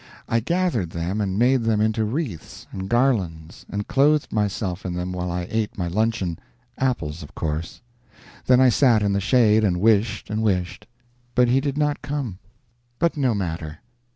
I gathered them, and made them into wreaths and garlands and clothed myself in them while I ate my luncheon apples, of course; then I sat in the shade and wished and waited. But he did not come. But no matter.